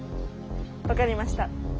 わかりました。